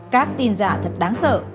các tin giả thật đáng sợ